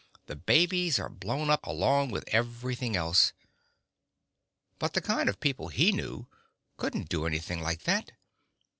The babies are blown up along with everything else But the kind of people he knew couldn't do anything like that.